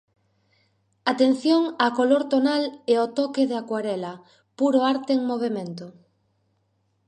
Atención á color tonal e ao toque de acuarela: puro arte en movemento.